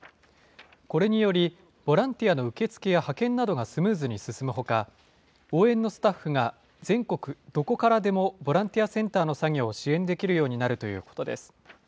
これにより、ボランティアの受け付けや派遣などがスムーズに進むほか、応援のスタッフが全国どこからでもボランティアセンターの作業を支援できるようになるということです。